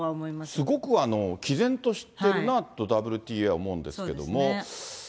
すごくきぜんとしているなと、ＷＴＡは思うんですけれども。